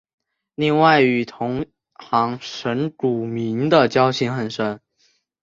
另外与同行神谷明的交情很深。